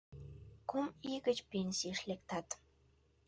Кум ий гыч пенсийыш лектат.